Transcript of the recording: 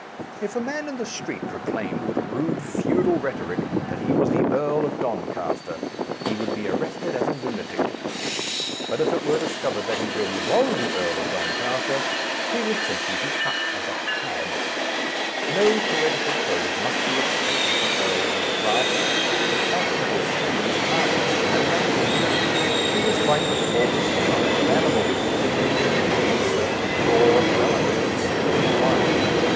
If a man in the street pro claimed, with rude feudal rhetoric, that he was the Earl of Doncaster, he would be arrested as a lunatic ; but if it were discov ered that he really was the Earl of Don caster, he would simply be cut as a cad. No poetical prose must be expected from Earls as a class. The fashionable slang is hardly even a language ; it is like the form A Defence of Slang less cries of animals, dimly indicating cer tain broad, well understood states of mind.